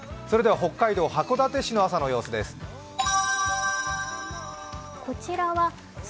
北海道函館市の朝の様子です。